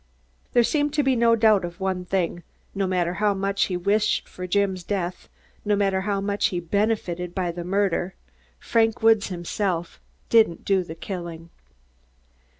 There seemed to be no doubt of one thing: no matter how much he wished for Jim's death, no matter how much he benefited by the murder, Frank Woods, himself, didn't do the killing.